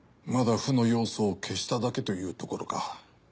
まだ負の要素を消しただけというところか。